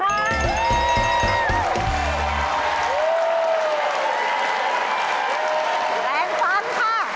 แรงฟันค่ะ